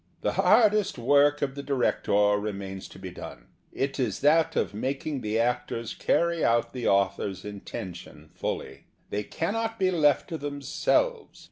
The hardest work of the director remains to he done. It is that of mak ing the actors carry out the author's intention fully. They cannot be left to themselves.